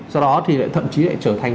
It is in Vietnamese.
sau đó thì lại thậm chí lại trở thành